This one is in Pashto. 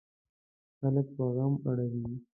خلک په غم اړوي.